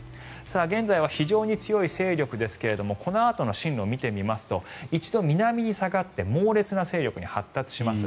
現在は非常に強い勢力ですがこのあとの進路を見てみますと一度南に下がって猛烈な勢力に発達します。